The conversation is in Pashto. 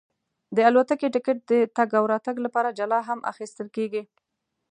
د الوتکې ټکټ د تګ او راتګ لپاره جلا هم اخیستل کېږي.